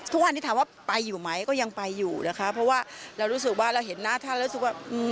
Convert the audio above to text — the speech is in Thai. ทุกวันนี้ถามว่าไปอยู่ไหมก็ยังไปอยู่นะคะเพราะว่าเรารู้สึกว่าเราเห็นหน้าท่านแล้วรู้สึกว่า